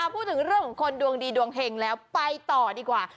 พูดถึงเรื่องของคนดวงดีดวงเห็งแล้วไปต่อดีกว่า